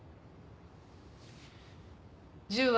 銃は？